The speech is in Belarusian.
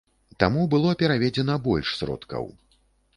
Таму было пераведзена больш сродкаў.